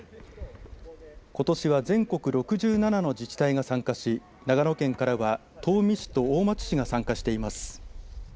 ことしは全国６７の自治体が参加し長野県からは東御市と大町市が参加しています。